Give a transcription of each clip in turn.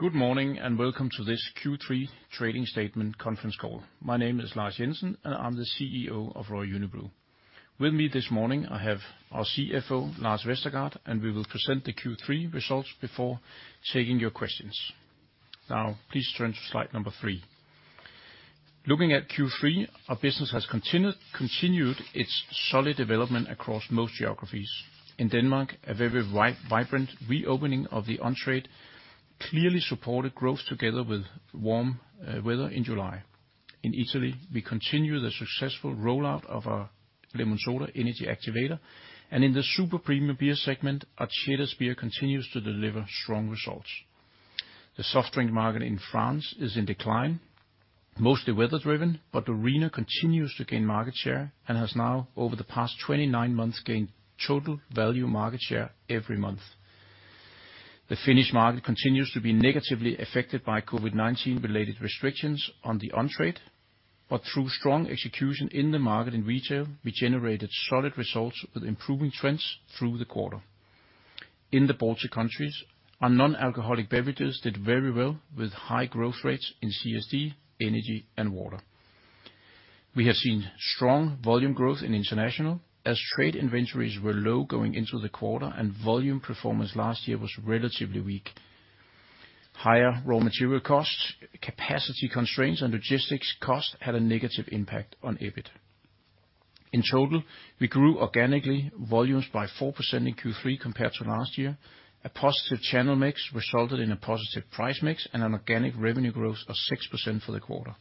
Good morning, and welcome to this Q3 Trading Statement Conference Call. My name is Lars Jensen, and I'm the CEO of Royal Unibrew. With me this morning, I have our CFO, Lars Vestergaard, and we will present the Q3 results before taking your questions. Now, please turn to slide 3. Looking at Q3, our business has continued its solid development across most geographies. In Denmark, a very vibrant reopening of the on-trade clearly supported growth together with warm weather in July. In Italy, we continue the successful rollout of our Lemonsoda Energy Activator, and in the super premium beer segment, our Ceres beer continues to deliver strong results. The soft drink market in France is in decline, mostly weather driven, but Lorina continues to gain market share and has now over the past 29 months gained total value market share every month. The Finnish market continues to be negatively affected by COVID-19 related restrictions on the on-trade, but through strong execution in the off-trade, we generated solid results with improving trends through the quarter. In the Baltic countries, our non-alcoholic beverages did very well with high growth rates in CSD, energy, and water. We have seen strong volume growth in international trade, as trade inventories were low going into the quarter and volume performance last year was relatively weak. Higher raw material costs, capacity constraints, and logistics costs had a negative impact on EBIT. In total, we grew organically volumes by 4% in Q3 compared to last year. A positive channel mix resulted in a positive price mix and an organic revenue growth of 6% for the quarter.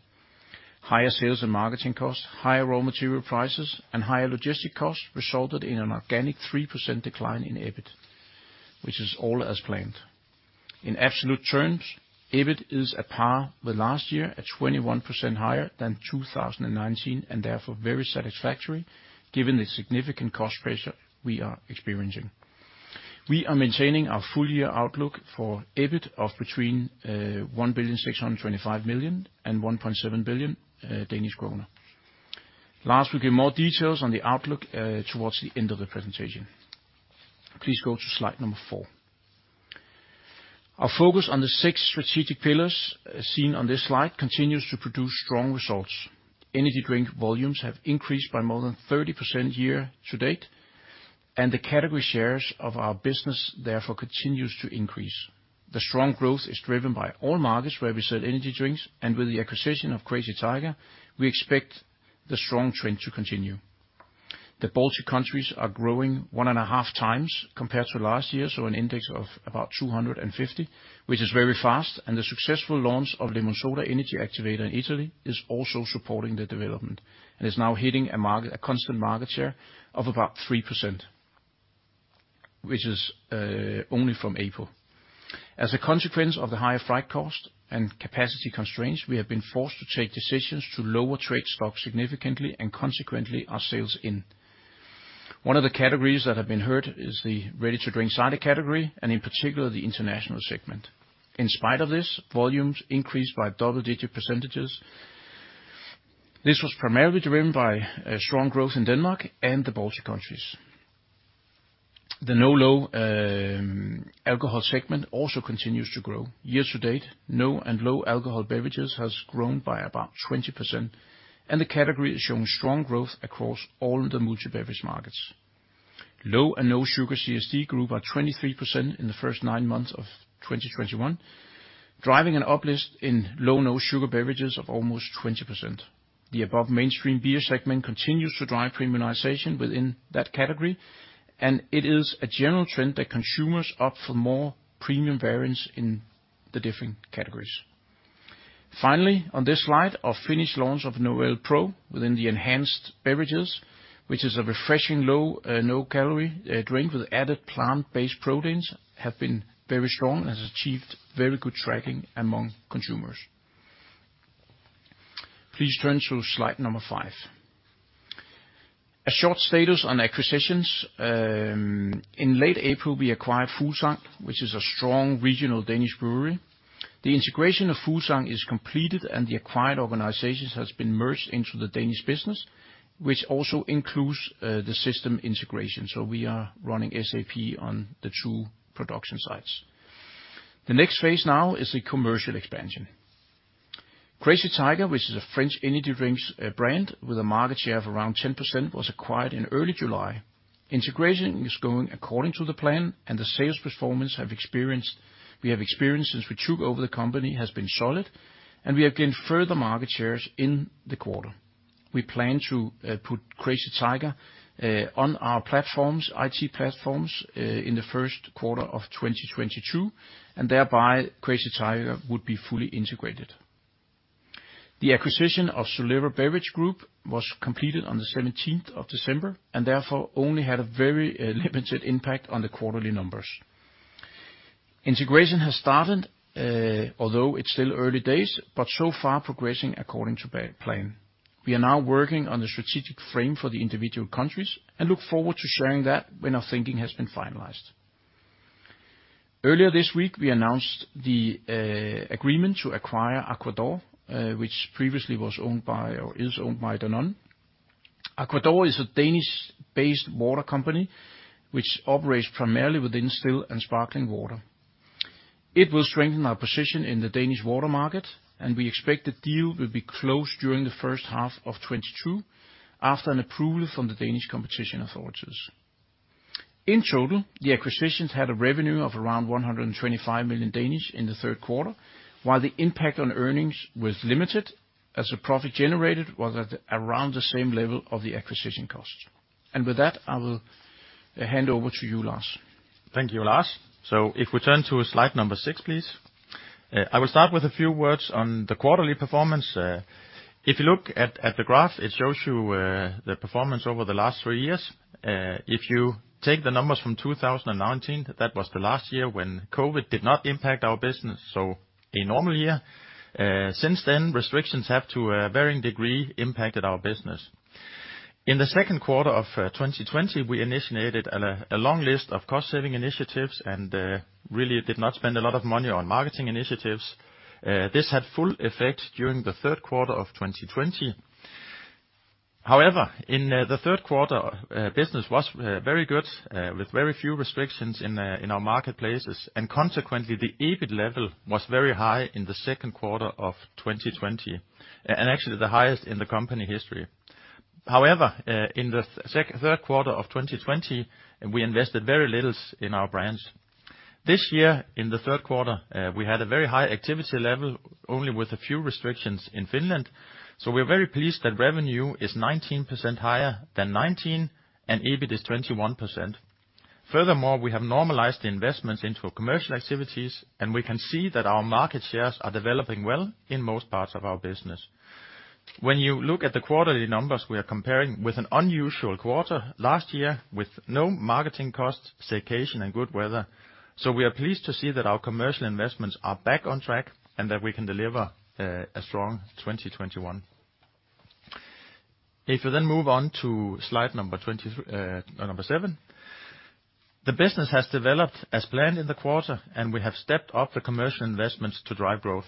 Higher sales and marketing costs, higher raw material prices, and higher logistic costs resulted in an organic 3% decline in EBIT, which is all as planned. In absolute terms, EBIT is at par with last year at 21% higher than 2019, and therefore very satisfactory given the significant cost pressure we are experiencing. We are maintaining our full-year outlook for EBIT of between 1.625 billion and 1.7 billion Danish kroner. Lastly, we'll give more details on the outlook towards the end of the presentation. Please go to slide 4. Our focus on the six strategic pillars seen on this slide continues to produce strong results. Energy drink volumes have increased by more than 30% year-to-date, and the category shares of our business therefore continues to increase. The strong growth is driven by all markets where we sell energy drinks, and with the acquisition of Crazy Tiger, we expect the strong trend to continue. The Baltic countries are growing 1.5 times compared to last year, so an index of about 250, which is very fast, and the successful launch of Lemonsoda Energy Activator in Italy is also supporting the development, and is now hitting a market, a constant market share of about 3%, which is only from April. As a consequence of the higher freight cost and capacity constraints, we have been forced to take decisions to lower trade stock significantly and consequently our sales in one of the categories that have been hurt is the ready-to-drink cider category, and in particular, the international segment. In spite of this, volumes increased by double-digit percentages. This was primarily driven by strong growth in Denmark and the Baltic countries. The no and low alcohol segment also continues to grow. Year to date, no and low alcohol beverages has grown by about 20%, and the category is showing strong growth across all the multi-beverage markets. Low and no sugar CSD grew by 23% in the first nine months of 2021, driving an uplift in low and no sugar beverages of almost 20%. The above mainstream beer segment continues to drive premiumization within that category, and it is a general trend that consumers opt for more premium variants in the different categories. Finally, on this slide, our Finnish launch of Novelle Pro within the enhanced beverages, which is a refreshing low no-calorie drink with added plant-based proteins, have been very strong and has achieved very good tracking among consumers. Please turn to slide 5. A short status on acquisitions. In late April, we acquired Fuglsang, which is a strong regional Danish brewery. The integration of Fuglsang is completed, and the acquired organizations has been merged into the Danish business, which also includes the system integration. We are running SAP on the two production sites. The next phase now is the commercial expansion. Crazy Tiger, which is a French energy drinks brand with a market share of around 10%, was acquired in early July. Integration is going according to the plan, and the sales performance we have experienced since we took over the company has been solid, and we have gained further market shares in the quarter. We plan to put Crazy Tiger on our platforms, IT platforms, in the first quarter of 2022, and thereby Crazy Tiger would be fully integrated. The acquisition of Solera Beverage Group was completed on the seventeenth of December, and therefore only had a very limited impact on the quarterly numbers. Integration has started, although it's still early days, but so far progressing according to plan. We are now working on the strategic frame for the individual countries and look forward to sharing that when our thinking has been finalized. Earlier this week, we announced the agreement to acquire Aqua d'Or, which previously was owned by or is owned by Danone. Aqua d'Or is a Danish-based water company which operates primarily within still and sparkling water. It will strengthen our position in the Danish water market, and we expect the deal will be closed during the first half of 2022 after an approval from the Danish competition authorities. In total, the acquisitions had a revenue of around 125 million in the third quarter, while the impact on earnings was limited, as the profit generated was at around the same level of the acquisition costs. With that, I will hand over to you, Lars. Thank you, Lars. If we turn to slide number 6, please. I will start with a few words on the quarterly performance. If you look at the graph, it shows you the performance over the last three years. If you take the numbers from 2019, that was the last year when COVID did not impact our business, so a normal year. Since then, restrictions have, to a varying degree, impacted our business. In the second quarter of 2020, we initiated a long list of cost-saving initiatives and really did not spend a lot of money on marketing initiatives. This had full effect during the third quarter of 2020. However, in the third quarter, business was very good, with very few restrictions in our marketplaces, and consequently, the EBIT level was very high in the second quarter of 2020, and actually the highest in the company history. However, in the third quarter of 2020, we invested very little in our brands. This year, in the third quarter, we had a very high activity level, only with a few restrictions in Finland, so we're very pleased that revenue is 19% higher than 19, and EBIT is 21%. Furthermore, we have normalized the investments into commercial activities, and we can see that our market shares are developing well in most parts of our business. When you look at the quarterly numbers, we are comparing with an unusual quarter last year with no marketing costs, staycation, and good weather, so we are pleased to see that our commercial investments are back on track and that we can deliver a strong 2021. If you then move on to slide number 7. The business has developed as planned in the quarter, and we have stepped up the commercial investments to drive growth.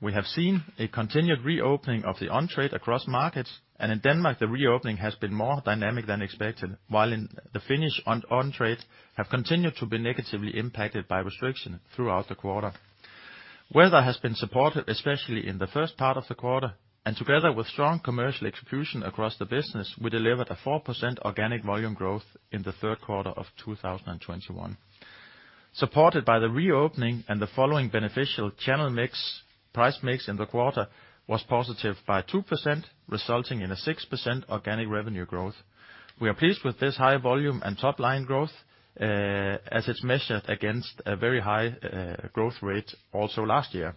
We have seen a continued reopening of the on-trade across markets, and in Denmark, the reopening has been more dynamic than expected, while in the Finnish on-trade have continued to be negatively impacted by restrictions throughout the quarter. Weather has been supportive, especially in the first part of the quarter, and together with strong commercial execution across the business, we delivered a 4% organic volume growth in the third quarter of 2021. Supported by the reopening and the following beneficial channel mix, price mix in the quarter was positive by 2%, resulting in a 6% organic revenue growth. We are pleased with this high volume and top-line growth, as it's measured against a very high growth rate also last year.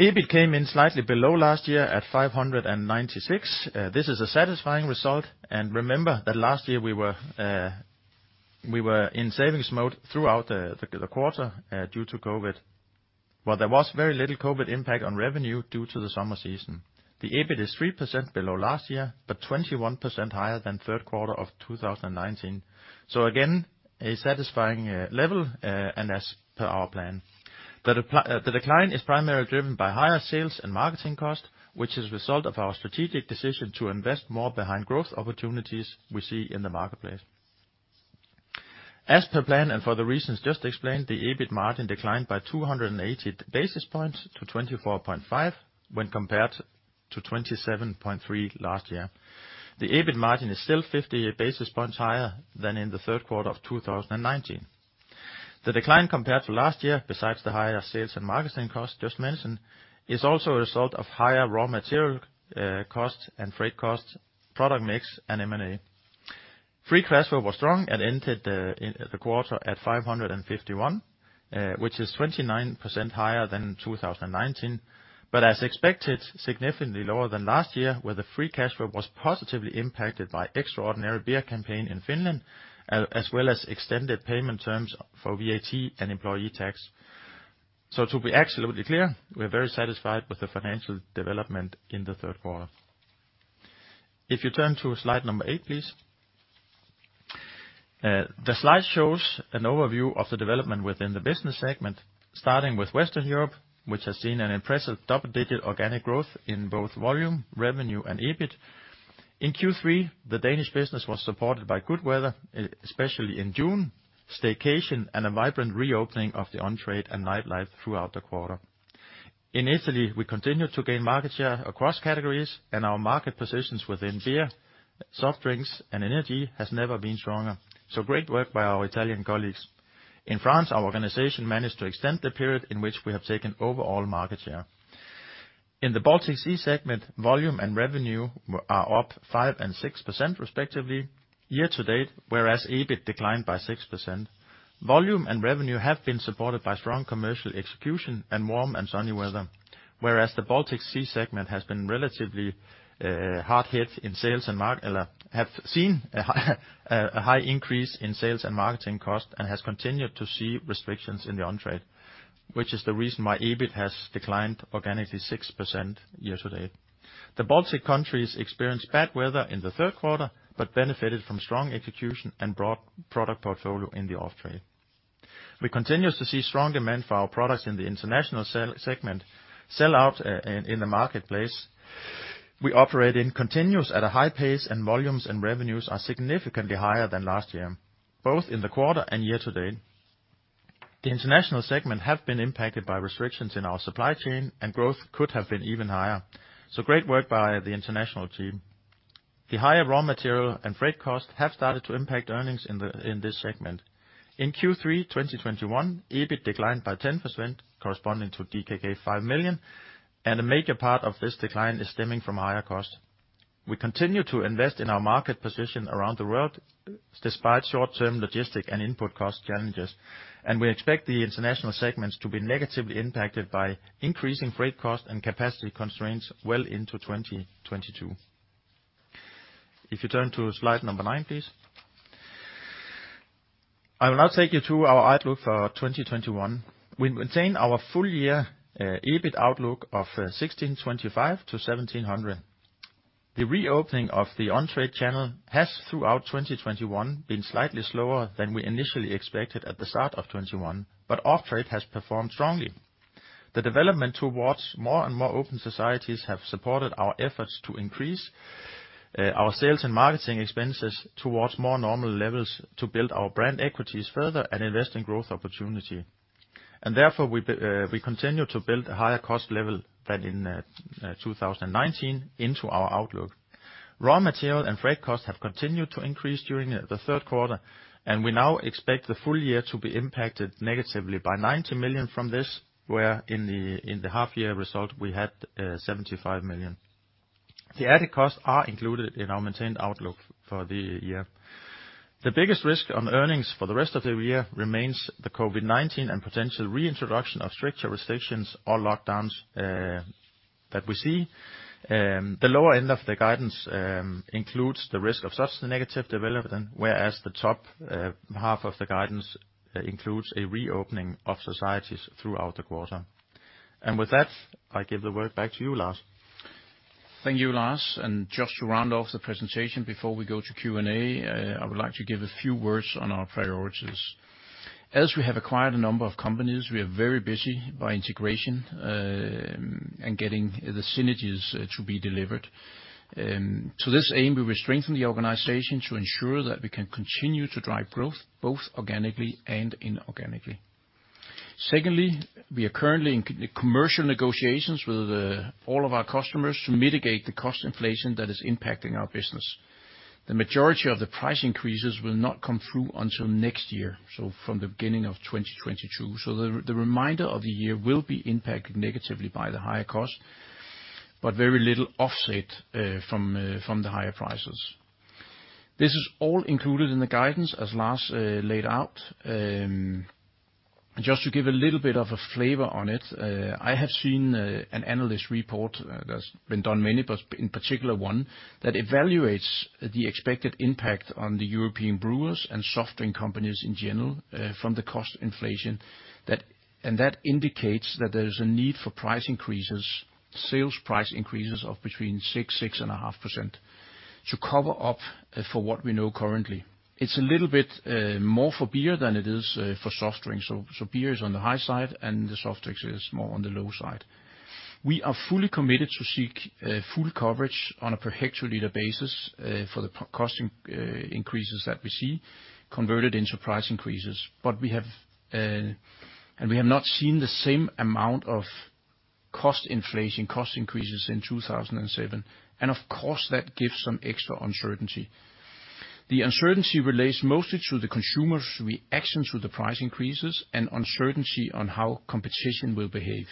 EBIT came in slightly below last year at 596. This is a satisfying result, and remember that last year we were in savings mode throughout the quarter due to COVID. While there was very little COVID impact on revenue due to the summer season, the EBIT is 3% below last year, but 21% higher than third quarter of 2019. Again, a satisfying level and as per our plan. The decline is primarily driven by higher sales and marketing costs, which is a result of our strategic decision to invest more behind growth opportunities we see in the marketplace. As per plan and for the reasons just explained, the EBIT margin declined by 280 basis points to 24.5 when compared to 27.3 last year. The EBIT margin is still 50 basis points higher than in the third quarter of 2019. The decline compared to last year, besides the higher sales and marketing costs just mentioned, is also a result of higher raw material costs and freight costs, product mix, and M&A. Free cash flow was strong and ended in the quarter at 551, which is 29% higher than in 2019, but as expected, significantly lower than last year, where the free cash flow was positively impacted by extraordinary beer campaign in Finland, as well as extended payment terms for VAT and employee tax. To be absolutely clear, we're very satisfied with the financial development in the third quarter. If you turn to slide 8, please. The slide shows an overview of the development within the business segment, starting with Western Europe, which has seen an impressive double-digit organic growth in both volume, revenue, and EBIT. In Q3, the Danish business was supported by good weather, especially in June, staycation, and a vibrant reopening of the on-trade and nightlife throughout the quarter. In Italy, we continued to gain market share across categories, and our market positions within beer, soft drinks, and energy has never been stronger. Great work by our Italian colleagues. In France, our organization managed to extend the period in which we have taken overall market share. In the Baltic Sea segment, volume and revenue are up 5% and 6% respectively year to date, whereas EBIT declined by 6%. Volume and revenue have been supported by strong commercial execution and warm and sunny weather, whereas the Baltic Sea segment has been relatively hard hit in sales and have seen a high increase in sales and marketing costs and has continued to see restrictions in the on-trade, which is the reason why EBIT has declined organically 6% year to date. The Baltic countries experienced bad weather in the third quarter but benefited from strong execution and broad product portfolio in the off-trade. We continues to see strong demand for our products in the international segment sell out in the marketplace we operate in continues at a high pace, and volumes and revenues are significantly higher than last year, both in the quarter and year to date. The international segment have been impacted by restrictions in our supply chain, and growth could have been even higher. Great work by the international team. The higher raw material and freight costs have started to impact earnings in this segment. In Q3 2021, EBIT declined by 10% corresponding to DKK 5 million, and a major part of this decline is stemming from higher costs. We continue to invest in our market position around the world despite short-term logistics and input cost challenges, and we expect the international segments to be negatively impacted by increasing freight costs and capacity constraints well into 2022. If you turn to slide 9, please. I will now take you through our outlook for 2021. We maintain our full year EBIT outlook of 1,625-1,700. The reopening of the on-trade channel has, throughout 2021, been slightly slower than we initially expected at the start of 2021, but off-trade has performed strongly. The development towards more and more open societies have supported our efforts to increase our sales and marketing expenses towards more normal levels to build our brand equities further and invest in growth opportunity. Therefore we continue to build a higher cost level than in 2019 into our outlook. Raw material and freight costs have continued to increase during the third quarter, and we now expect the full year to be impacted negatively by 90 million from this, where in the half year result we had 75 million. The added costs are included in our maintained outlook for the year. The biggest risk on earnings for the rest of the year remains the COVID-19 and potential reintroduction of stricter restrictions or lockdowns that we see. The lower end of the guidance includes the risk of such negative development, whereas the top half of the guidance includes a reopening of societies throughout the quarter. With that, I give the word back to you, Lars. Thank you, Lars. Just to round off the presentation before we go to Q&A, I would like to give a few words on our priorities. As we have acquired a number of companies, we are very busy with integration, and getting the synergies to be delivered. To this aim, we will strengthen the organization to ensure that we can continue to drive growth both organically and inorganically. Secondly, we are currently in commercial negotiations with all of our customers to mitigate the cost inflation that is impacting our business. The majority of the price increases will not come through until next year, so from the beginning of 2022. The remainder of the year will be impacted negatively by the higher costs, but very little offset from the higher prices. This is all included in the guidance as Lars laid out. Just to give a little bit of a flavor on it, I have seen an analyst report that's been done many, but in particular one that evaluates the expected impact on the European brewers and soft drink companies in general, from the cost inflation that, and that indicates that there is a need for price increases, sales price increases of between 6%-6.5% to cover up for what we know currently. It's a little bit more for beer than it is for soft drinks. Beer is on the high side and the soft drinks is more on the low side. We are fully committed to seek full coverage on a per hectoliter basis for the cost increases that we see converted into price increases. We have and we have not seen the same amount of cost inflation, cost increases in 2007. Of course that gives some extra uncertainty. The uncertainty relates mostly to the consumer's reaction to the price increases and uncertainty on how competition will behave.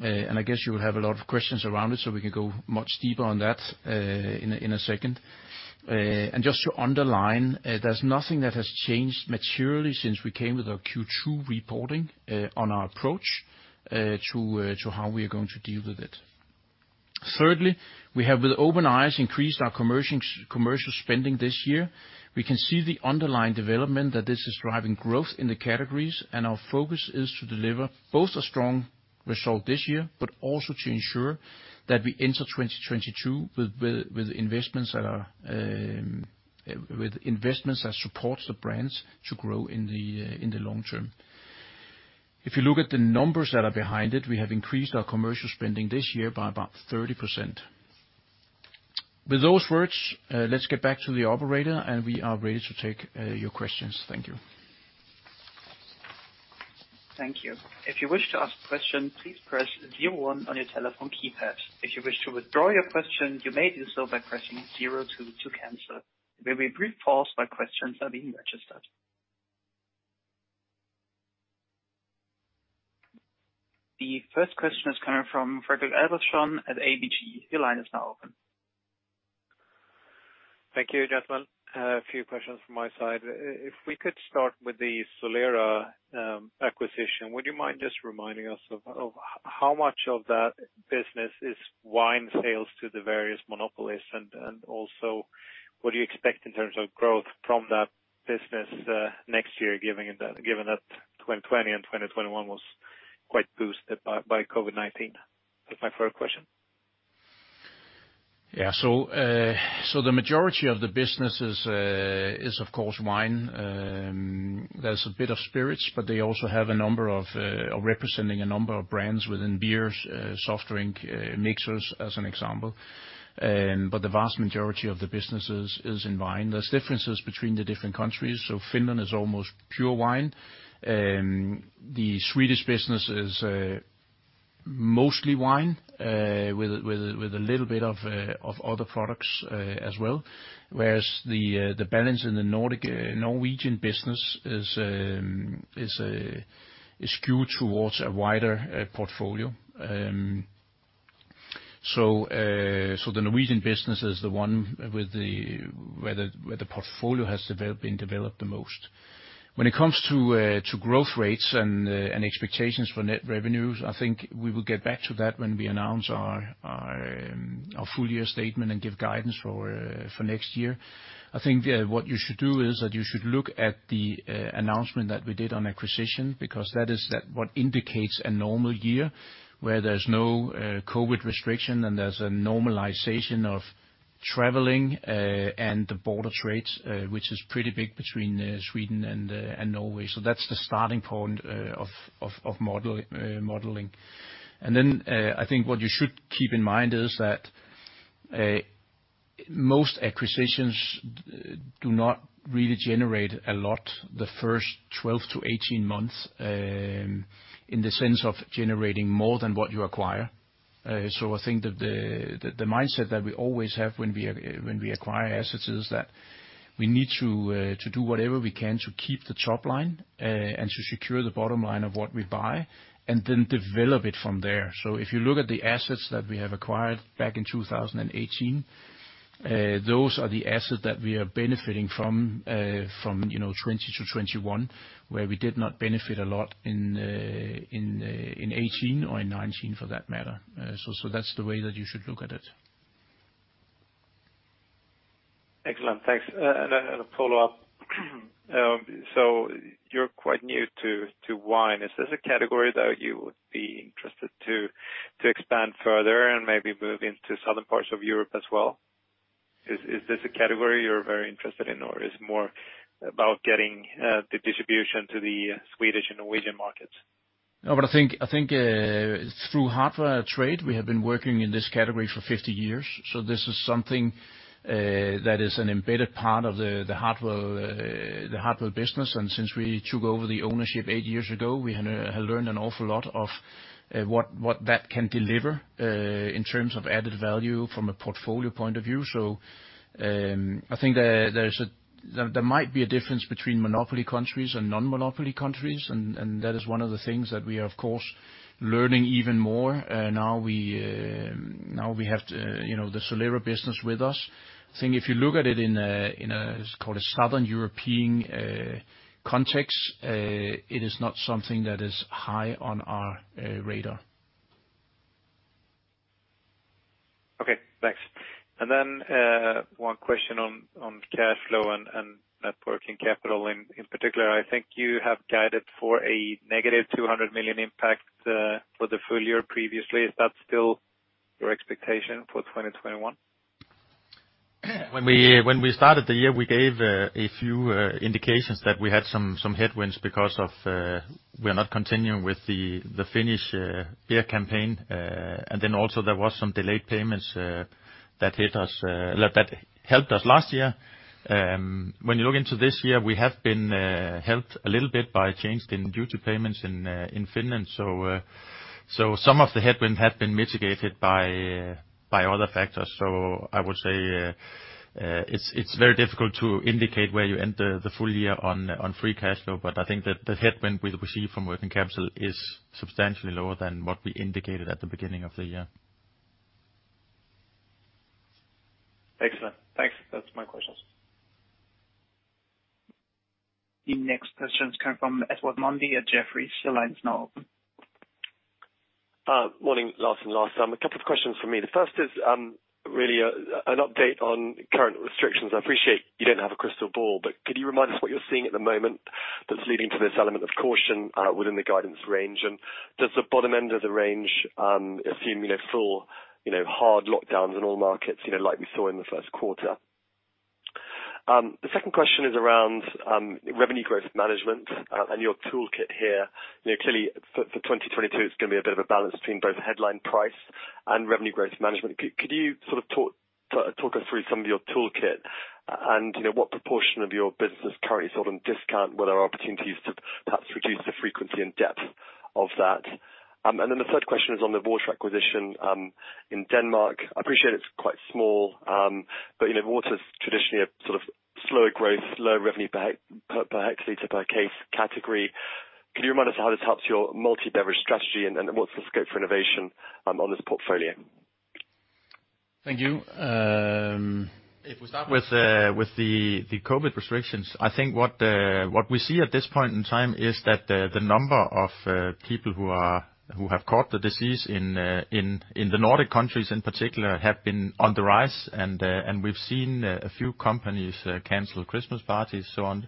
I guess you will have a lot of questions around it, so we can go much deeper on that, in a second. Just to underline, there's nothing that has changed materially since we came with our Q2 reporting, on our approach, to how we are going to deal with it. Thirdly, we have with open eyes increased our commercial spending this year. We can see the underlying development that this is driving growth in the categories, and our focus is to deliver both a strong result this year, but also to ensure that we enter 2022 with investments that support the brands to grow in the long term. If you look at the numbers that are behind it, we have increased our commercial spending this year by about 30%. With those words, let's get back to the operator, and we are ready to take your questions. Thank you. The first question is coming from Frederik Albertsson at ABG. Your line is now open. Thank you, gentlemen. A few questions from my side. If we could start with the Solera acquisition, would you mind just reminding us of how much of that business is wine sales to the various monopolies? And also what do you expect in terms of growth from that business next year, given that 2020 and 2021 was quite boosted by COVID-19? That's my first question. Yeah. The majority of the business is of course wine. There's a bit of spirits, but they also have a number of, are representing a number of brands within beers, soft drink mixers, as an example. The vast majority of the businesses is in wine. There's differences between the different countries. Finland is almost pure wine. The Swedish business is mostly wine, with a little bit of other products as well, whereas the balance in the Nordic Norwegian business is skewed towards a wider portfolio. The Norwegian business is the one where the portfolio has been developed the most. When it comes to growth rates and expectations for net revenues, I think we will get back to that when we announce our full year statement and give guidance for next year. I think what you should do is that you should look at the announcement that we did on acquisition, because that is what indicates a normal year where there's no COVID restriction and there's a normalization of traveling and the border trades, which is pretty big between Sweden and Norway. That's the starting point of modeling. Then I think what you should keep in mind is that most acquisitions do not really generate a lot the first 12-18 months in the sense of generating more than what you acquire. I think the mindset that we always have when we acquire assets is that we need to do whatever we can to keep the top line and to secure the bottom line of what we buy, and then develop it from there. If you look at the assets that we have acquired back in 2018, those are the assets that we are benefiting from, you know, 2020 to 2021, where we did not benefit a lot in 2018 or in 2019 for that matter. That's the way that you should look at it. Excellent. Thanks. A follow-up. So you're quite new to wine. Is this a category that you would be interested to expand further and maybe move into southern parts of Europe as well? Is this a category you're very interested in, or is it more about getting the distribution to the Swedish and Norwegian markets? No, but I think through Hartwa-Trade, we have been working in this category for 50 years. This is something that is an embedded part of the Hartwall business. Since we took over the ownership eight years ago, we had learned an awful lot of what that can deliver in terms of added value from a portfolio point of view. I think there's a difference between monopoly countries and non-monopoly countries, and that is one of the things that we are of course learning even more. Now we have the Solera business with us. I think if you look at it in a let's call it Southern European context, it is not something that is high on our radar. Okay, thanks. One question on cash flow and net working capital in particular. I think you have guided for a negative 200 million impact for the full year previously. Is that still your expectation for 2021? When we started the year, we gave a few indications that we had some headwinds because we are not continuing with the Finnish beer campaign. Also there was some delayed payments that hit us that helped us last year. When you look into this year, we have been helped a little bit by a change in duty payments in Finland. Some of the headwind have been mitigated by other factors. I would say it's very difficult to indicate where you end the full year on free cash flow. I think that the headwind we receive from working capital is substantially lower than what we indicated at the beginning of the year. Excellent. Thanks. That's my questions. The next question is coming from Edward Mundy at Jefferies. Your line is now open. Morning, Lars and Lars. A couple of questions from me. The first is really an update on current restrictions. I appreciate you don't have a crystal ball, but could you remind us what you're seeing at the moment that's leading to this element of caution within the guidance range? And does the bottom end of the range assume, you know, full, you know, hard lockdowns in all markets, you know, like we saw in the first quarter? The second question is around revenue growth management and your toolkit here. You know, clearly for 2022 it's gonna be a bit of a balance between both headline price and revenue growth management. Could you sort of talk us through some of your toolkit and, you know, what proportion of your business currently sold on discount? Were there opportunities to perhaps reduce the frequency and depth of that? The third question is on the water acquisition in Denmark. I appreciate it's quite small, but you know, water's traditionally a sort of slower growth, lower revenue per hectoliter, per case category. Could you remind us how this helps your multi-beverage strategy and what's the scope for innovation on this portfolio? Thank you. If we start with the COVID restrictions, I think what we see at this point in time is that the number of people who have caught the disease in the Nordic countries in particular have been on the rise. We've seen a few companies cancel Christmas parties, so on,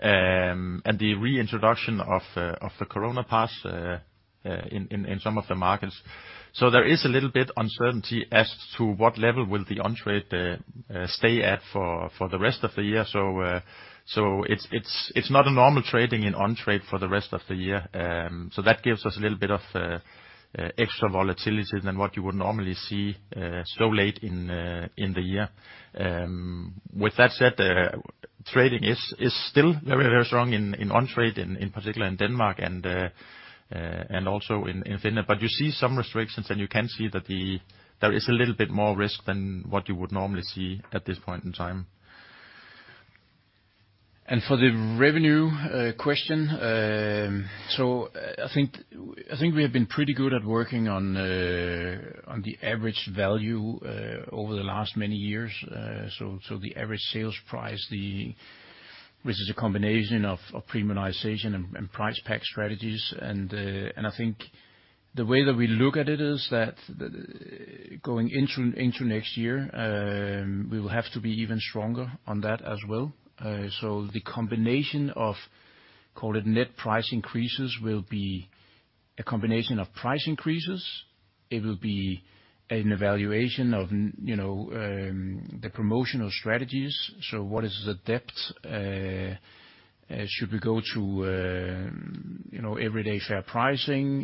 and the reintroduction of the Coronapas in some of the markets. There is a little bit uncertainty as to what level will the on-trade stay at for the rest of the year. It's not a normal trading in on-trade for the rest of the year. That gives us a little bit of extra volatility than what you would normally see so late in the year. With that said, trading is still very strong in on-trade, in particular in Denmark and also in Finland. You see some restrictions, and you can see that there is a little bit more risk than what you would normally see at this point in time. For the revenue question, I think we have been pretty good at working on the average value over the last many years. The average sales price, which is a combination of premiumization and price pack strategies. I think the way that we look at it is that going into next year, we will have to be even stronger on that as well. The combination of, call it net price increases, will be a combination of price increases. It will be an evaluation of, you know, the promotional strategies. What is the depth, should we go to, you know, everyday fair pricing?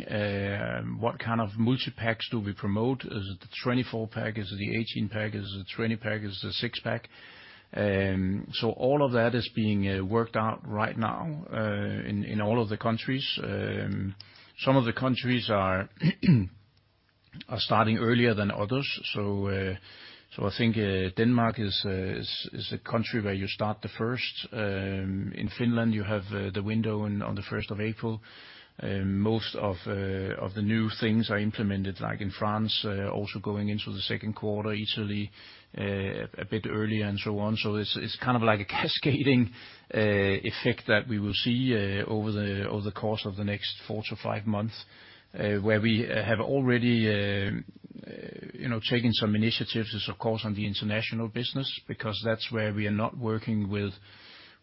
What kind of multi-packs do we promote? Is it the 24-pack? Is it the 18-pack? Is it the 20-pack? Is it the 6-pack? All of that is being worked out right now, in all of the countries. Some of the countries are starting earlier than others. I think Denmark is a country where you start the first. In Finland, you have the window on the first of April. Most of the new things are implemented, like in France, also going into the second quarter, Italy a bit earlier and so on. It's kind of like a cascading effect that we will see over the course of the next four to five months. Where we have already, you know, taken some initiatives is of course on the international business, because that's where we are not working with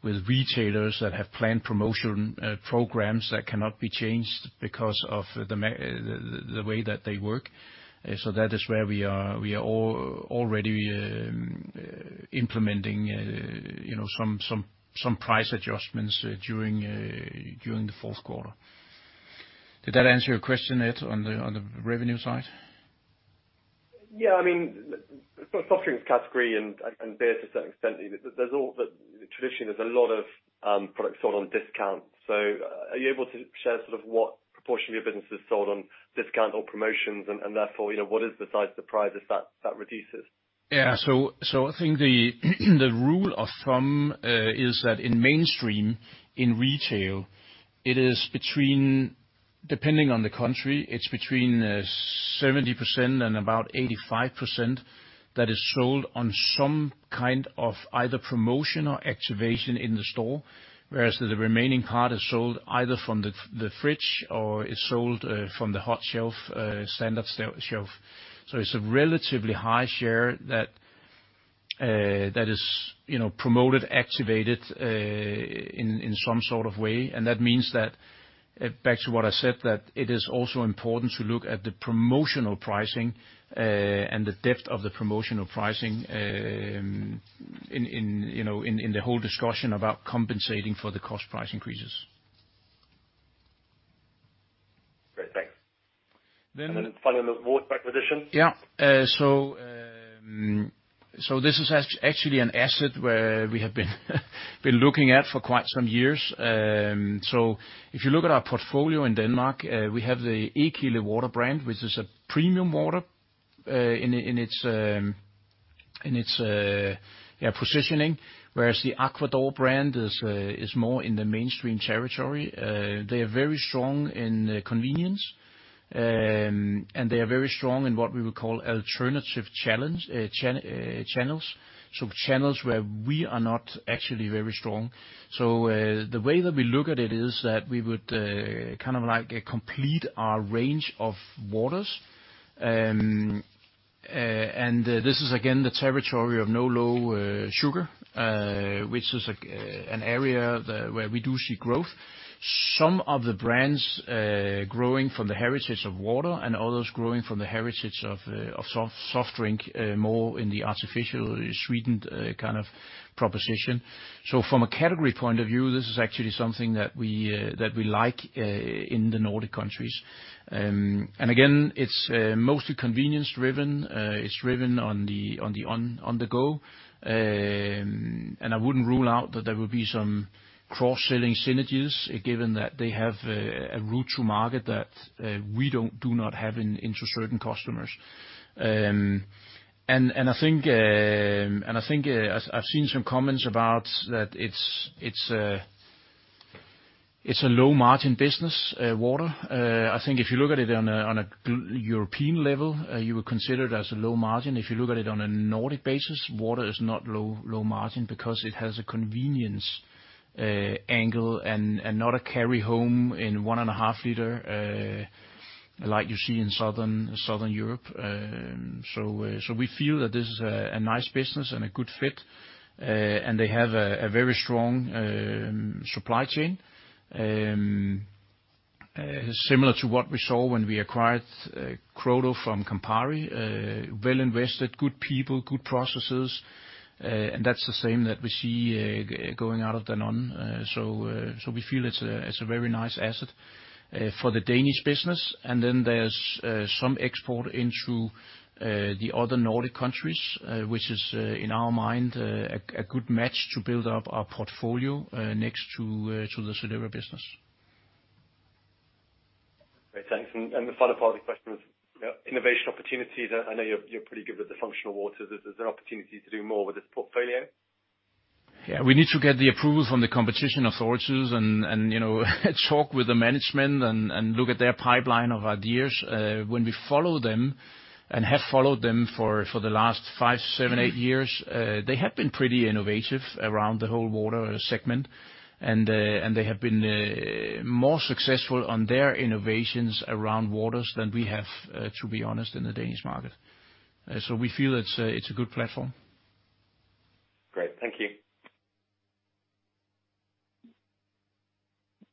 retailers that have planned promotion programs that cannot be changed because of the way that they work. That is where we are, we are already implementing, you know, some price adjustments during the fourth quarter. Did that answer your question, Ed, on the revenue side? Yeah. I mean, soft drinks category and beer to a certain extent, there's all the tradition. There's a lot of products sold on discount. Are you able to share sort of what proportion of your business is sold on discount or promotions and therefore, you know, what is the size of the price that reduces? I think the rule of thumb is that in mainstream retail, it is between, depending on the country, 70%-85% that is sold on some kind of either promotion or activation in the store. Whereas the remaining part is sold either from the fridge or is sold from the hot shelf, standard shelf. It's a relatively high share that is, you know, promoted, activated in some sort of way. That means that back to what I said, it is also important to look at the promotional pricing and the depth of the promotional pricing in, you know, the whole discussion about compensating for the cost price increases. Great. Thanks. Then Finally on the Voss acquisition. Yeah. This is actually an asset where we have been looking at for quite some years. If you look at our portfolio in Denmark, we have the Egekilde water brand, which is a premium water in its positioning. Whereas the Aqua d'Or brand is more in the mainstream territory. They are very strong in convenience, and they are very strong in what we would call alternative channels. Channels where we are not actually very strong. The way that we look at it is that we would kind of like complete our range of waters. And this is again the territory of no low sugar, which is an area where we do see growth. Some of the brands growing from the heritage of water and others growing from the heritage of soft drink more in the artificially sweetened kind of proposition. From a category point of view, this is actually something that we like in the Nordic countries. Again, it's mostly convenience driven. It's driven on the go. I wouldn't rule out that there will be some cross-selling synergies given that they have a route to market that we do not have into certain customers. I think I've seen some comments about that it's a low margin business, water. I think if you look at it on a European level, you would consider it as a low margin. If you look at it on a Nordic basis, water is not low margin because it has a convenience angle and not a carry home in 1.5-liter like you see in Southern Europe. We feel that this is a nice business and a good fit. They have a very strong supply chain. Similar to what we saw when we acquired Crodo from Campari, well-invested, good people, good processes. That's the same that we see going out of Danone. We feel it's a very nice asset for the Danish business. There's some export into the other Nordic countries, which is in our mind a good match to build up our portfolio next to the Solera business. Great. Thanks. The final part of the question was innovation opportunities. I know you're pretty good with the functional waters. Is there opportunity to do more with this portfolio? Yeah. We need to get the approval from the competition authorities and, you know, talk with the management and look at their pipeline of ideas. When we follow them and have followed them for the last five, seven, eight years, they have been pretty innovative around the whole water segment. They have been more successful on their innovations around waters than we have, to be honest, in the Danish market. We feel it's a good platform. Great. Thank you.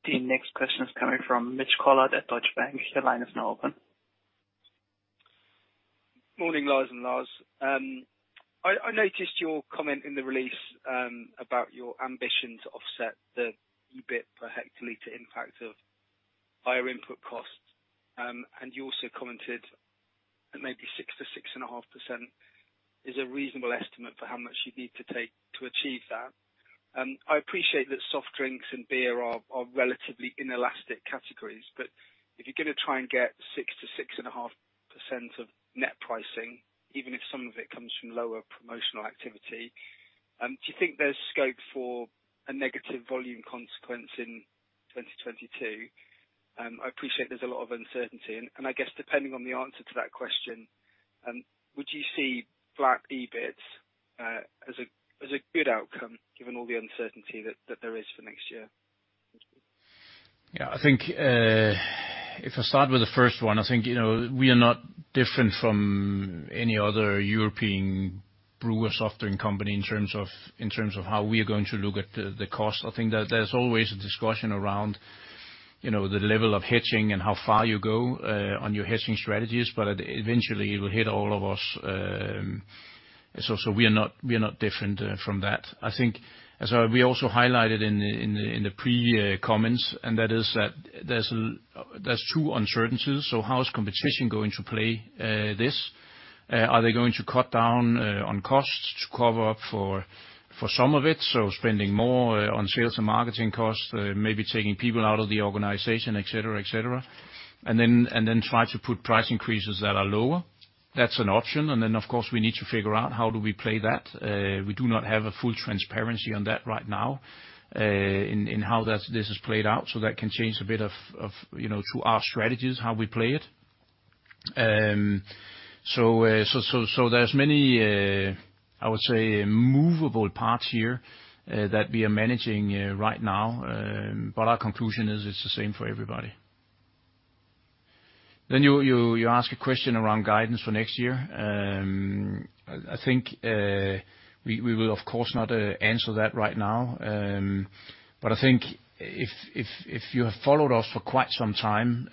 The next question is coming from Mitch Collett at Deutsche Bank. Your line is now open. Morning, Lars and Lars. I noticed your comment in the release about your ambition to offset the EBIT per hectoliter impact of higher input costs. You also commented that maybe 6-6.5% is a reasonable estimate for how much you'd need to take to achieve that. I appreciate that soft drinks and beer are relatively inelastic categories, but if you're gonna try and get 6-6.5% of net pricing, even if some of it comes from lower promotional activity, do you think there's scope for a negative volume consequence in 2022? I appreciate there's a lot of uncertainty and I guess depending on the answer to that question, would you see flat EBIT as a good outcome given all the uncertainty that there is for next year? Yeah, I think if I start with the first one, I think you know we are not different from any other European brewer or soft drink company in terms of how we are going to look at the cost. I think that there's always a discussion around you know the level of hedging and how far you go on your hedging strategies, but eventually it will hit all of us. We are not different from that. I think as we also highlighted in the pre comments, and that is that there's two uncertainties. How is competition going to play this? Are they going to cut down on costs to cover up for some of it? Spending more on sales and marketing costs, maybe taking people out of the organization, et cetera, et cetera. Try to put price increases that are lower. That's an option. Of course, we need to figure out how do we play that. We do not have a full transparency on that right now, in how that's this has played out, so that can change a bit of you know to our strategies, how we play it. So there's many, I would say movable parts here that we are managing right now. But our conclusion is it's the same for everybody. You ask a question around guidance for next year. I think we will of course not answer that right now. I think if you have followed us for quite some time,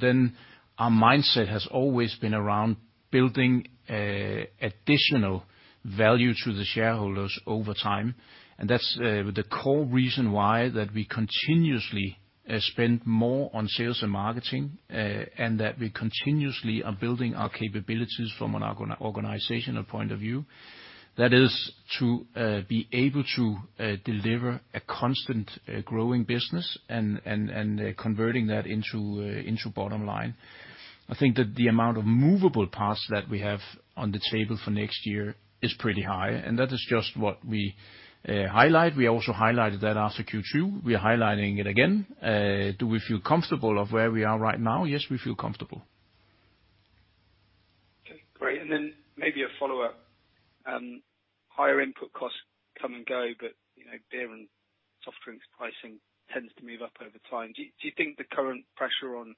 then our mindset has always been around building additional value to the shareholders over time. That's the core reason why that we continuously spend more on sales and marketing, and that we continuously are building our capabilities from an organizational point of view. That is to be able to deliver a constant growing business and converting that into bottom line. I think that the amount of movable parts that we have on the table for next year is pretty high, and that is just what we highlight. We also highlighted that after Q2. We are highlighting it again. Do we feel comfortable of where we are right now? Yes, we feel comfortable. Okay, great. Maybe a follow-up. Higher input costs come and go, but, you know, beer and soft drinks pricing tends to move up over time. Do you think the current pressure on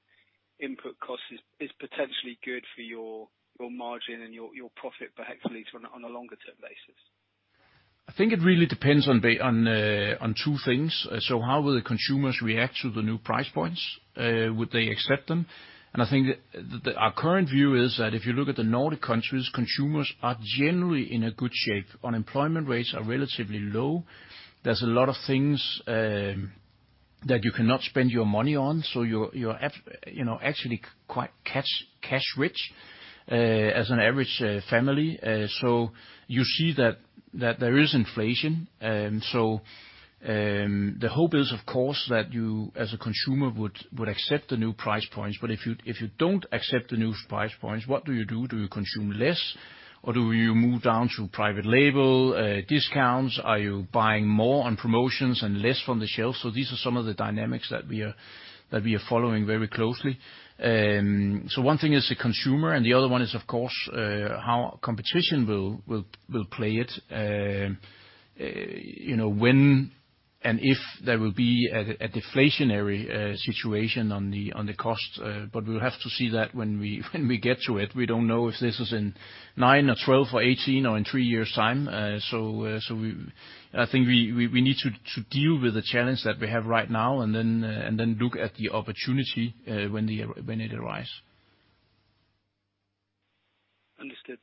input costs is potentially good for your margin and your profit per hectoliter on a longer term basis? I think it really depends on on two things. How will the consumers react to the new price points? Would they accept them? I think that the our current view is that if you look at the Nordic countries, consumers are generally in a good shape. Unemployment rates are relatively low. There's a lot of things that you cannot spend your money on, so you're you know, actually quite cash rich, as an average family. So you see that there is inflation. The hope is of course that you as a consumer would accept the new price points, but if you don't accept the new price points, what do you do? Do you consume less, or do you move down to private label discounts? Are you buying more on promotions and less from the shelf? These are some of the dynamics that we are following very closely. One thing is the consumer, and the other one is of course how competition will play it. You know, when and if there will be a deflationary situation on the cost, but we'll have to see that when we get to it. We don't know if this is in nine or 12 or 18 or in three years' time. I think we need to deal with the challenge that we have right now, and then look at the opportunity when it arise. Understood.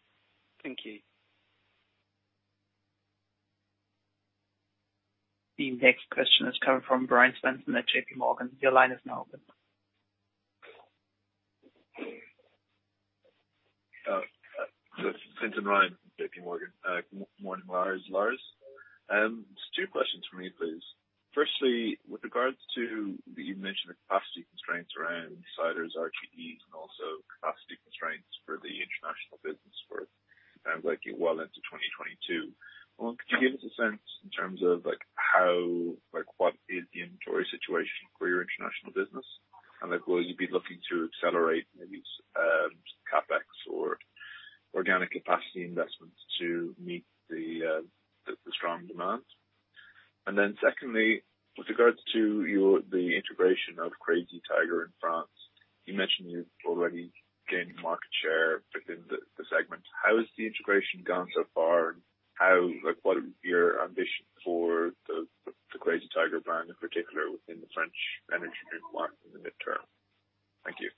Thank you. The next question is coming from Brian Swanson at J.P. Morgan. Your line is now open. It's Brian Swanson from J.P. Morgan. Good morning, Lars. Just two questions from me, please. Firstly, with regards to the you mentioned the capacity constraints around ciders, RTDs, and also capacity constraints for the international business which sounds like it well into 2022. Could you give us a sense in terms of like how like what is the inventory situation for your international business? And like will you be looking to accelerate maybe CapEx or organic capacity investments to meet the strong demand? And then secondly, with regards to your the integration of Crazy Tiger in France, you mentioned you've already gained market share within the segment. How has the integration gone so far, and how like what are your ambitions for the Crazy Tiger brand in particular within the French energy drink market in the midterm? Thank you.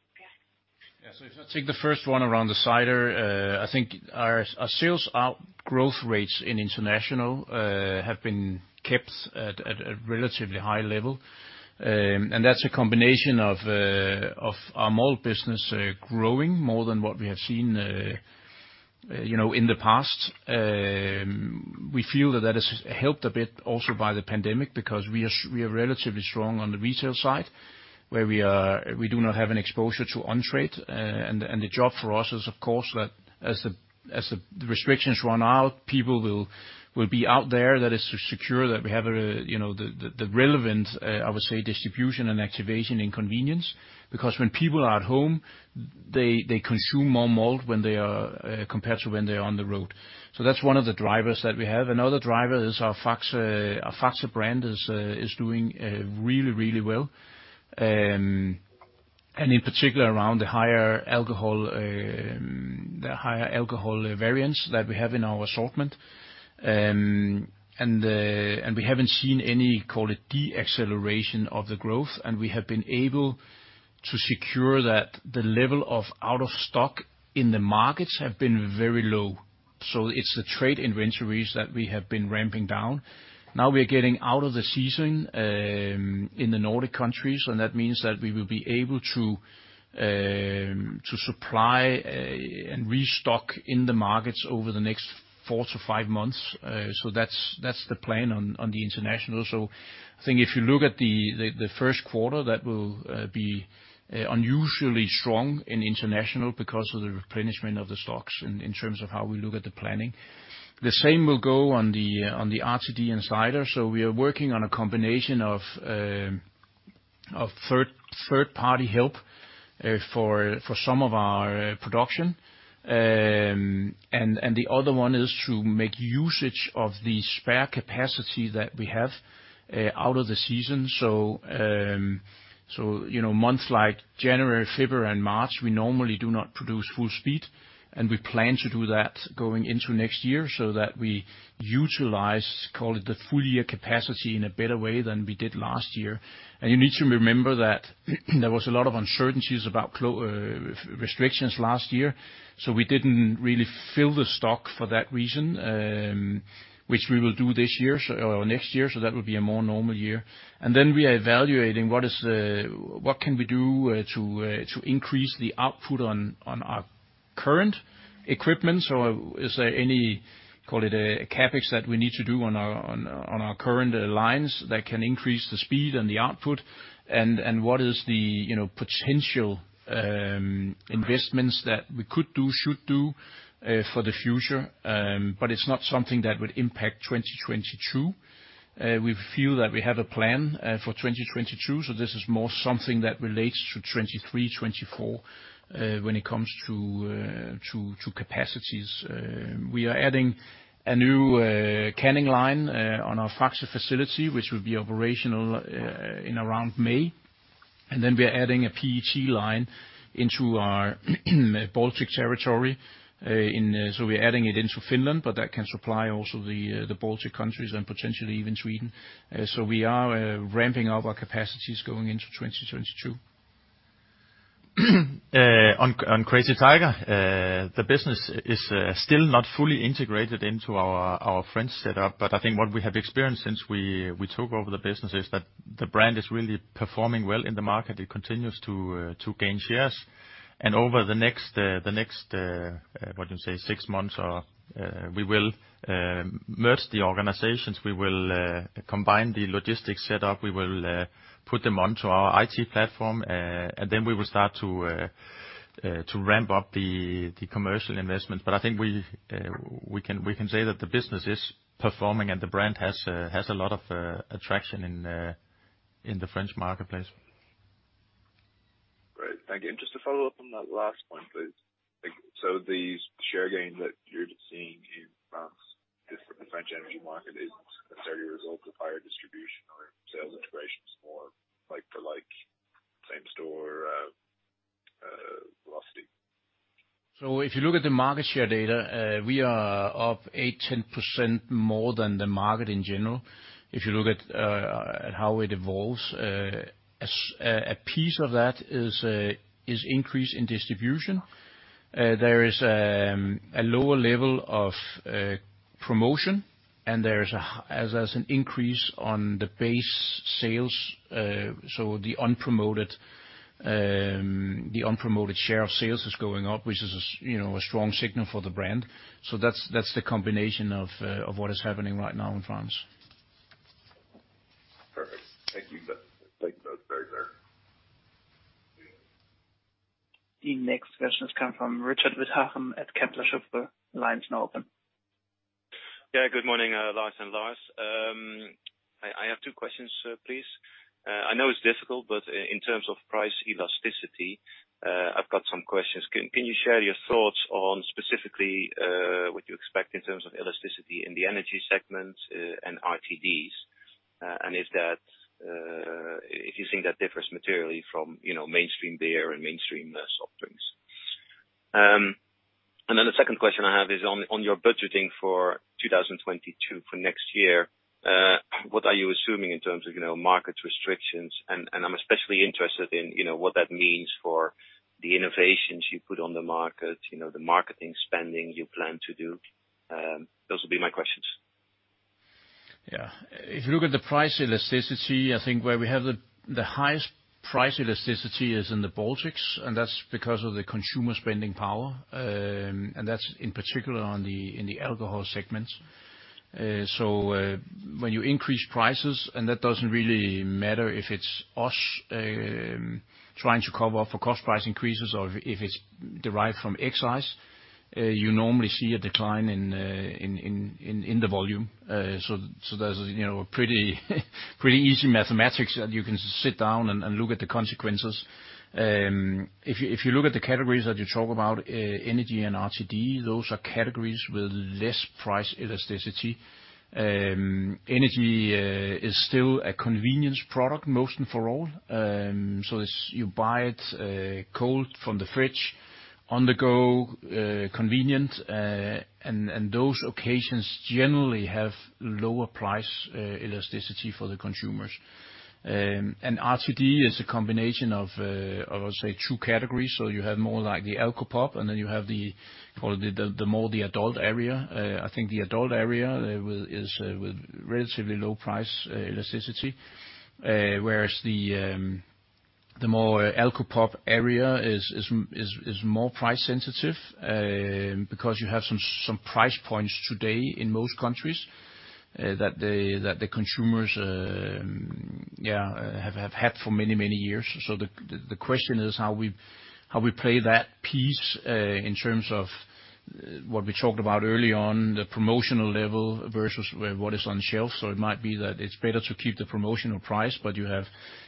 Yeah. If I take the first one around the cider, I think our sales out growth rates in international have been kept at a relatively high level. And that's a combination of our malt business growing more than what we have seen, you know, in the past. We feel that is helped a bit also by the pandemic because we are relatively strong on the retail side where we do not have an exposure to on-trade. And the job for us is of course that as the restrictions run out, people will be out there, that is to secure that we have, you know, the relevant, I would say, distribution and activation and convenience. Because when people are at home, they consume more malt when they are compared to when they are on the road. That's one of the drivers that we have. Another driver is our Faxe brand is doing really well. And in particular around the higher alcohol variants that we have in our assortment. And we haven't seen any, call it, deceleration of the growth, and we have been able to secure that the level of out of stock in the markets have been very low. It's the trade inventories that we have been ramping down. Now we are getting out of the season in the Nordic countries, and that means that we will be able to supply and restock in the markets over the next four to five months. That's the plan on the international. I think if you look at the first quarter, that will be unusually strong in international because of the replenishment of the stocks in terms of how we look at the planning. The same will go on the RTD and cider. We are working on a combination of third-party help for some of our production. And the other one is to make use of the spare capacity that we have out of the season. You know, months like January, February, and March, we normally do not produce full speed, and we plan to do that going into next year so that we utilize, call it, the full year capacity in a better way than we did last year. You need to remember that there was a lot of uncertainties about restrictions last year, so we didn't really fill the stock for that reason, which we will do this year so or next year, so that will be a more normal year. We are evaluating what is, what can we do to increase the output on our current equipment. Is there any, call it, a CapEx that we need to do on our current lines that can increase the speed and the output? What is the, you know, potential investments that we could do, should do for the future? It's not something that would impact 2022. We feel that we have a plan for 2022, so this is more something that relates to 2023, 2024, when it comes to capacities. We are adding a new canning line on our Faxe facility, which will be operational in around May. We are adding a PET line into our Baltic territory in Finland, but that can supply also the Baltic countries and potentially even Sweden. We are ramping up our capacities going into 2022. On Crazy Tiger, the business is still not fully integrated into our French setup, but I think what we have experienced since we took over the business is that the brand is really performing well in the market. It continues to gain shares. Over the next six months or so, we will merge the organizations. We will combine the logistics set up. We will put them onto our IT platform, and then we will start to ramp up the commercial investment. I think we can say that the business is performing and the brand has a lot of attraction in the French marketplace. Thank you. Just to follow up on that last point, please. Like, so these share gains that you're seeing in the French energy market isn't necessarily a result of higher distribution or sales integrations more like like-for-like same store velocity? If you look at the market share data, we are up 8%-10% more than the market in general. If you look at how it evolves, a piece of that is an increase in distribution. There is a lower level of promotion, and there's an increase on the base sales. The unpromoted share of sales is going up, which is, you know, a strong signal for the brand. That's the combination of what is happening right now in France. Perfect. Thank you. That note very clear. The next question has come from Richard Withagen at Kepler Cheuvreux. Line's now open. Yeah, good morning, Lars and Lars. I have two questions, please. I know it's difficult, but in terms of price elasticity, I've got some questions. Can you share your thoughts on specifically what you expect in terms of elasticity in the energy segment and RTDs? And is that if you think that differs materially from, you know, mainstream beer and mainstream soft drinks? And then the second question I have is on your budgeting for 2022 for next year, what are you assuming in terms of, you know, market restrictions? And I'm especially interested in, you know, what that means for the innovations you put on the market, you know, the marketing spending you plan to do. Those will be my questions. Yeah. If you look at the price elasticity, I think where we have the highest price elasticity is in the Baltics, and that's because of the consumer spending power, and that's in particular in the alcohol segments. So, when you increase prices, and that doesn't really matter if it's us trying to cover for cost price increases or if it's derived from excise, you normally see a decline in the volume. So there's, you know, a pretty easy mathematics that you can sit down and look at the consequences. If you look at the categories that you talk about, energy and RTD, those are categories with less price elasticity. Energy is still a convenience product most and for all. It's you buy it cold from the fridge, on the go, convenient, and those occasions generally have lower price elasticity for the consumers. RTD is a combination of, I would say, two categories. You have more like alcopop, and then you have, call it, the more adult area. I think the adult area with relatively low price elasticity, whereas the more alcopop area is more price sensitive, because you have some price points today in most countries that the consumers have had for many years. The question is how we play that piece in terms of what we talked about early on, the promotional level versus what is on shelf. It might be that it's better to keep the promotional price, but you have,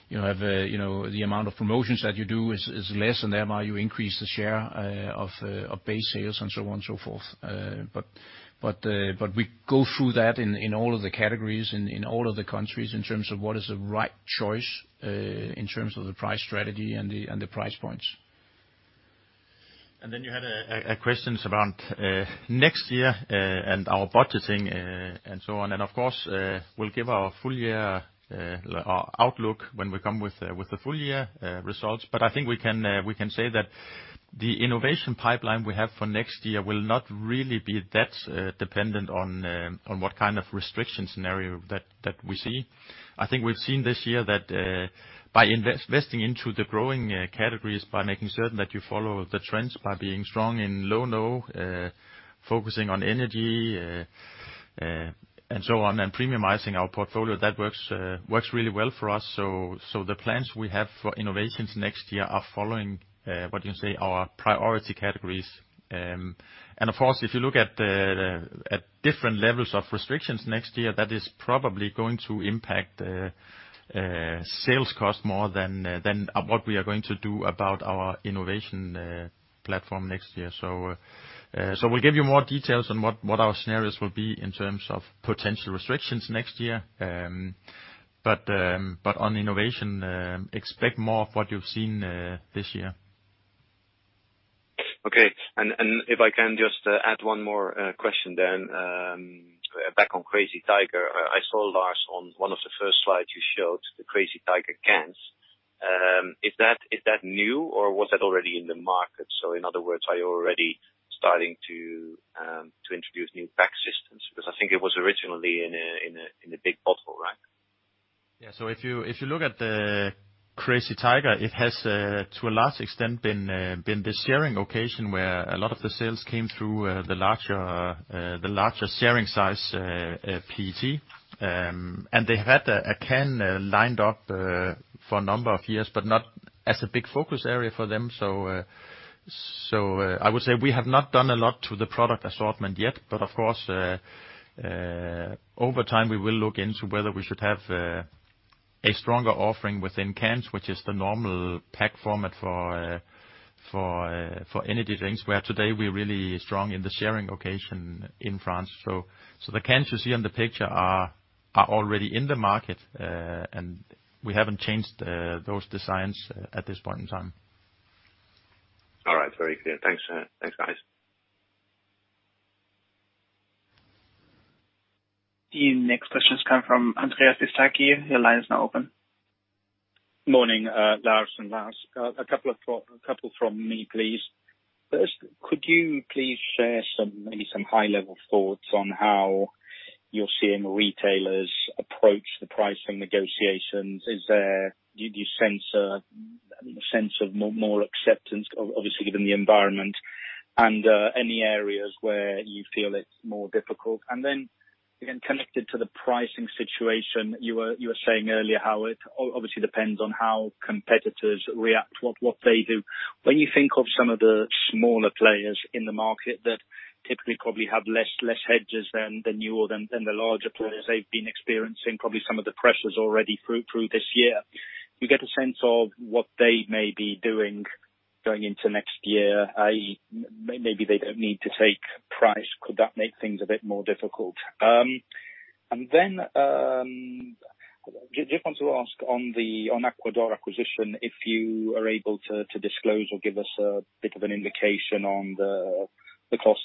you know, the amount of promotions that you do is less, and thereby you increase the share of base sales and so on and so forth. We go through that in all of the categories, in all of the countries in terms of what is the right choice in terms of the price strategy and the price points. Then you had questions around next year and our budgeting and so on. Of course, we'll give our full year outlook when we come with the full year results. I think we can say that the innovation pipeline we have for next year will not really be that dependent on what kind of restriction scenario that we see. I think we've seen this year that by investing into the growing categories, by making certain that you follow the trends, by being strong in low no focusing on energy and so on, and premiumizing our portfolio, that works really well for us. The plans we have for innovations next year are following what you say, our priority categories. Of course, if you look at different levels of restrictions next year, that is probably going to impact sales cost more than what we are going to do about our innovation platform next year. We'll give you more details on what our scenarios will be in terms of potential restrictions next year. On innovation, expect more of what you've seen this year. Okay. If I can just add one more question then, back on Crazy Tiger. I saw, Lars, on one of the first slides you showed the Crazy Tiger cans. Is that new, or was that already in the market? So in other words, are you already starting to introduce new pack systems? Because I think it was originally in a big bottle, right? Yeah. If you look at the Crazy Tiger, it has to a large extent been the sharing occasion where a lot of the sales came through the larger sharing size PET. They had a can lined up for a number of years, but not as a big focus area for them. I would say we have not done a lot to the product assortment yet, but of course over time, we will look into whether we should have a stronger offering within cans, which is the normal pack format for energy drinks, where today we're really strong in the sharing location in France. The cans you see on the picture are already in the market, and we haven't changed those designs at this point in time. All right, very clear. Thanks. Thanks, guys. The next question has come from Danske Bank. Your line is now open. Morning, Lars and Lars. A couple from me, please. First, could you please share some, maybe some high-level thoughts on how you're seeing retailers approach the pricing negotiations? Is there a sense of more acceptance, obviously, given the environment, and any areas where you feel it's more difficult? Again, connected to the pricing situation, you were saying earlier how it obviously depends on how competitors react, what they do. When you think of some of the smaller players in the market that typically probably have less hedges than you or than the larger players, they've been experiencing probably some of the pressures already through this year. Do you get a sense of what they may be doing going into next year, i.e., maybe they don't need to take price? Could that make things a bit more difficult? Just want to ask on the Aqua d'Or acquisition, if you are able to disclose or give us a bit of an indication on the cost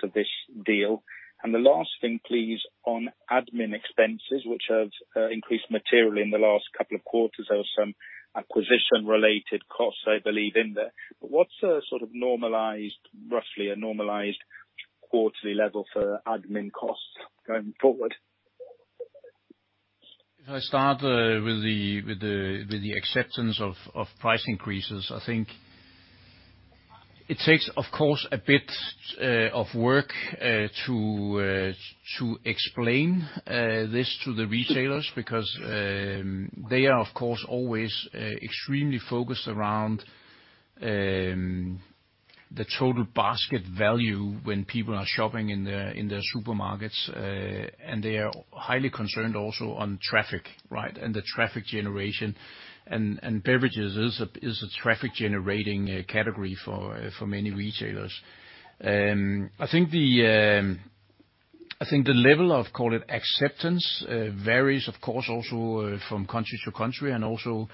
of this deal. The last thing, please, on admin expenses, which have increased materially in the last couple of quarters. There were some acquisition-related costs, I believe, in there. What's a sort of normalized, roughly normalized quarterly level for admin costs going forward? If I start with the acceptance of price increases, I think it takes, of course, a bit of work to explain this to the retailers because they are, of course, always extremely focused around the total basket value when people are shopping in their supermarkets, and they are highly concerned also on traffic, right, and the traffic generation. Beverages is a traffic-generating category for many retailers. I think the level of, call it, acceptance varies of course also from country to country and also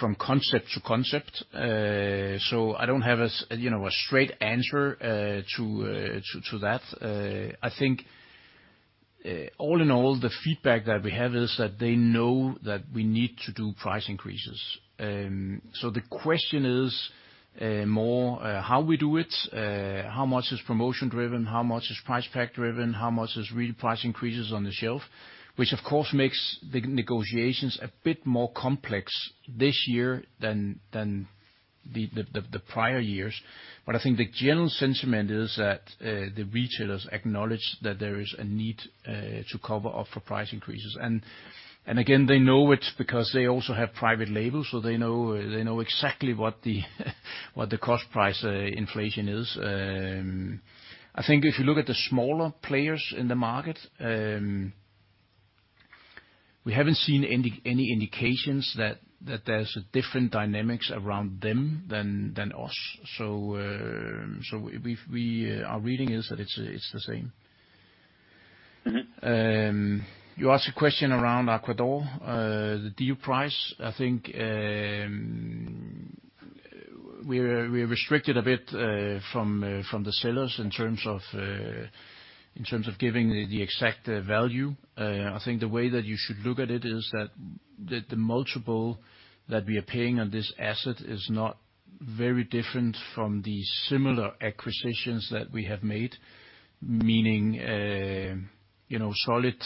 from concept to concept. I don't have a you know, a straight answer to that. I think all in all, the feedback that we have is that they know that we need to do price increases. The question is more how we do it, how much is promotion driven, how much is price pack driven, how much is really price increases on the shelf, which of course makes the negotiations a bit more complex this year than the prior years. I think the general sentiment is that the retailers acknowledge that there is a need to cover up for price increases. Again, they know it because they also have private labels, so they know exactly what the cost price inflation is. I think if you look at the smaller players in the market, we haven't seen any indications that there's different dynamics around them than us. Our reading is that it's the same. You asked a question around Aqua d'Or, the deal price. I think we're restricted a bit from the sellers in terms of giving the exact value. I think the way that you should look at it is that the multiple that we are paying on this asset is not very different from the similar acquisitions that we have made, meaning you know, solid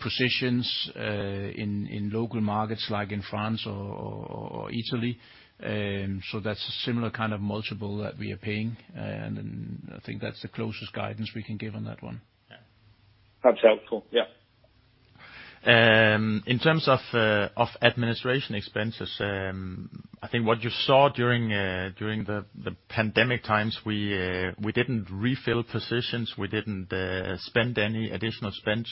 positions in local markets like in France or Italy. So that's a similar kind of multiple that we are paying, and I think that's the closest guidance we can give on that one. That's helpful, yeah. In terms of administration expenses, I think what you saw during the pandemic times, we didn't refill positions. We didn't spend any additional spend.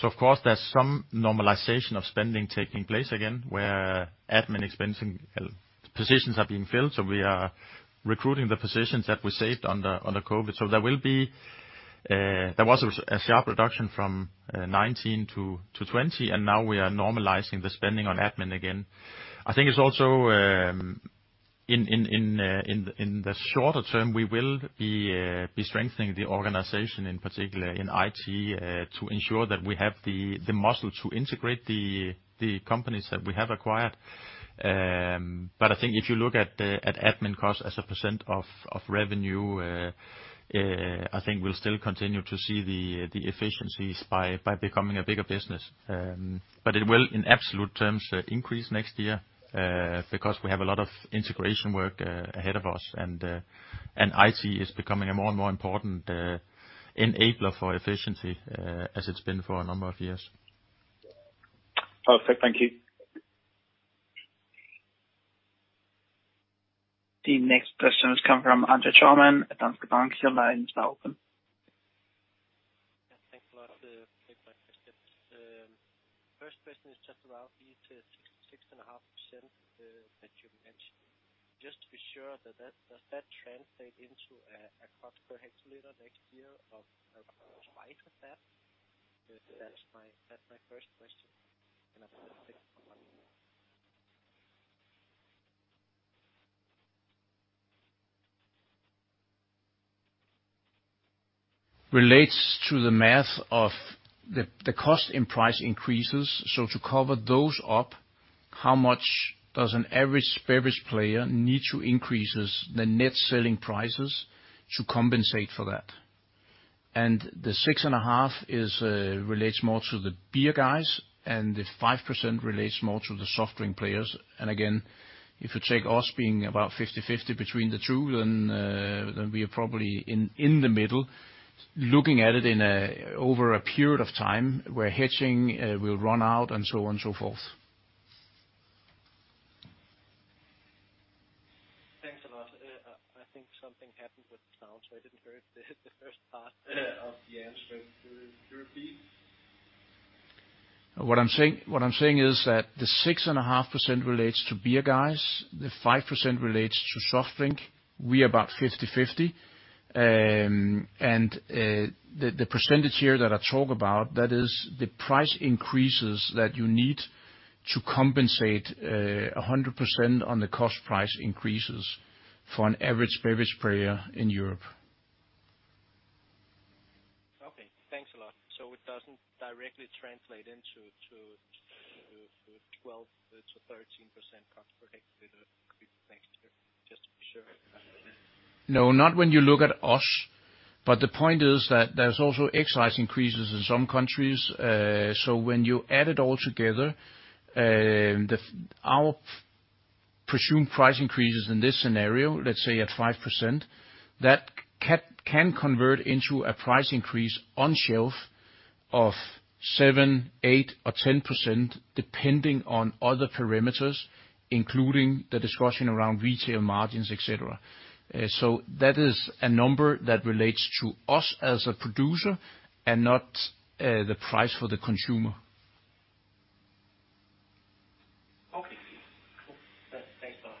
Of course, there's some normalization of spending taking place again, where admin expense positions are being filled, so we are recruiting the positions that we saved under COVID. There was a sharp reduction from 2019 to 2020, and now we are normalizing the spending on admin again. I think it's also in the shorter term, we will be strengthening the organization, in particular in IT, to ensure that we have the muscle to integrate the companies that we have acquired. I think if you look at admin costs as a percent of revenue, I think we'll still continue to see the efficiencies by becoming a bigger business. It will, in absolute terms, increase next year, because we have a lot of integration work ahead of us and IT is becoming a more and more important enabler for efficiency, as it's been for a number of years. Perfect. Thank you. The next question has come from André Thormann at Danske Bank. Your line is now open. Yeah, thanks a lot. Take my question. First question is just about the 6-6.5% that you mentioned. Just to be sure that does that translate into a cost per hectoliter next year of 5% of that? That's my first question. I'll take one. Relates to the math of the cost and price increases. To cover those up, how much does an average beverage player need to increases the net selling prices to compensate for that? The 6.5 is relates more to the beer guys, and the 5% relates more to the soft drink players. Again, if you take us being about 50/50 between the two, then we are probably in the middle looking at it over a period of time where hedging will run out and so on and so forth. Thanks a lot. I think something happened with the sound, so I didn't hear the first part of the answer. Could you repeat? What I'm saying is that the 6.5% relates to beer guys. The 5% relates to soft drink. We are about 50/50. The percentage here that I talk about, that is the price increases that you need to compensate 100% on the cost price increases for an average beverage player in Europe. Okay, thanks a lot. It doesn't directly translate into 12%-13% cost per hectoliter next year, just to be sure. No, not when you look at us, but the point is that there's also excise increases in some countries. When you add it all together, our presumed price increases in this scenario, let's say at 5%, that can convert into a price increase on shelf of 7%, 8%, or 10% depending on other parameters, including the discussion around retail margins, et cetera. That is a number that relates to us as a producer and not the price for the consumer. Okay. Cool. Thanks a lot.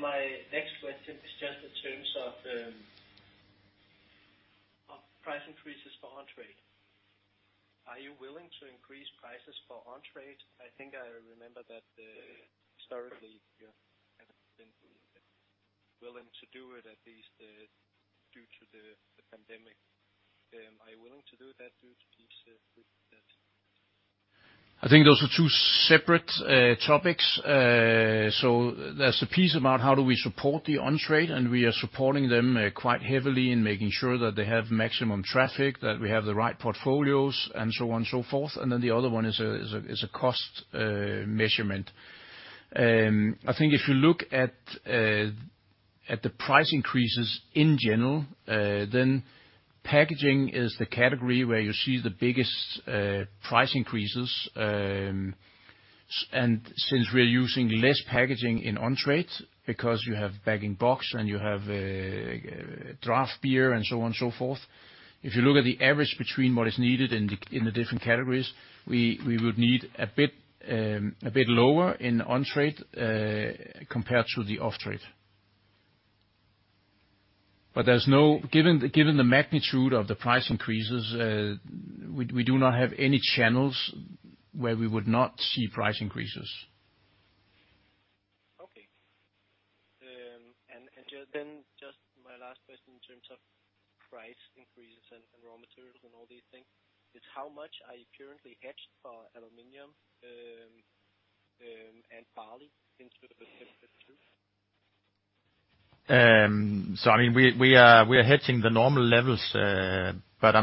My next question is just in terms of price increases for on-trade. Are you willing to increase prices for on-trade? I think I remember that, historically you haven't been willing to do it, at least, due to the pandemic. Are you willing to do that due to the increase that- I think those are two separate topics. There's the piece about how do we support the on-trade, and we are supporting them quite heavily in making sure that they have maximum traffic, that we have the right portfolios and so on and so forth. Then the other one is a cost measurement. I think if you look at the price increases in general, then packaging is the category where you see the biggest price increases. Since we're using less packaging in on-trade because you have bag-in-box and you have draft beer and so on and so forth, if you look at the average between what is needed in the different categories, we would need a bit lower in on-trade compared to the off-trade. Given the magnitude of the price increases, we do not have any channels where we would not see price increases. Okay. Just then, just my last question in terms of price increases and raw materials and all these things is how much are you currently hedged for aluminum and barley into the 5th week? I mean, we are hedging the normal levels, but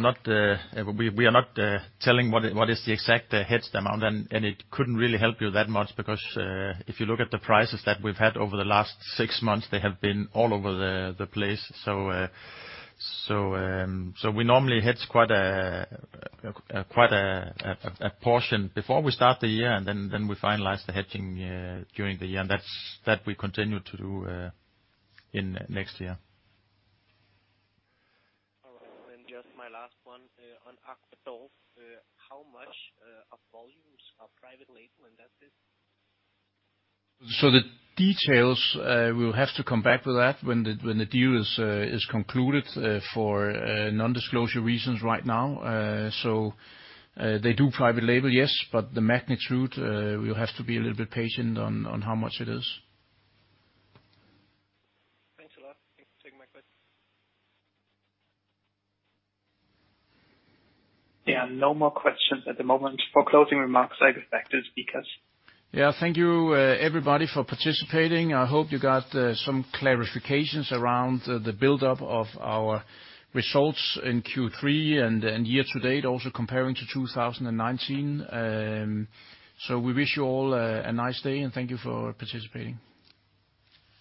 we are not telling what is the exact hedge amount then, and it couldn't really help you that much because if you look at the prices that we've had over the last six months, they have been all over the place. We normally hedge quite a portion before we start the year, and then we finalize the hedging during the year, and that's what we continue to do next year. Oh, just my last one, on Aqua d'Or, how much of volumes are private label in that biz? The details, we'll have to come back with that when the deal is concluded for non-disclosure reasons right now. They do private label, yes, but the magnitude, we'll have to be a little bit patient on how much it is. Thanks a lot. Thanks for taking my questions. There are no more questions at the moment. For closing remarks, I give back to the speakers. Yeah. Thank you, everybody for participating. I hope you got some clarifications around the buildup of our results in Q3 and year to date, also comparing to 2019. We wish you all a nice day, and thank you for participating.